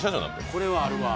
これはあるわ。